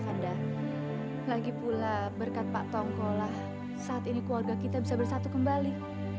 iya kanda lagi pula berkat pak tongkola saat ini keluarga kita bisa bersatu kembali